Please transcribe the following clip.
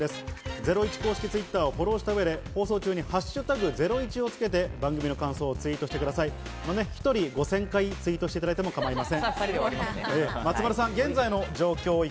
ゼロイチ公式Ｔｗｉｔｔｅｒをフォローした上で、放送中に「＃ゼロイチ」をつけて番組の感想をツイートしてください。